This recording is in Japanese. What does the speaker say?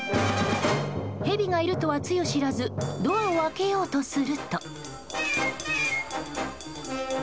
ヘビがいるとは、つゆ知らずドアを開けようとすると。